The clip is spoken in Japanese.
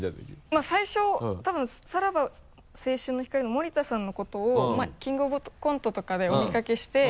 まぁ最初多分さらば青春の光の森田さんのことをキングオブコントとかでお見かけして。